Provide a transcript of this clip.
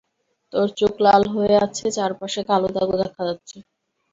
তোর চোখ লাল হয়ে আছে, চারপাশে কালো দাগও দেখা যাচ্ছে।